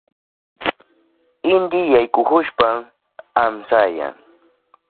Inti yaykuhushpan amsayan.